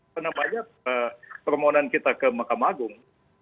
kenapa banyak permohonan kita ke mahkamah agung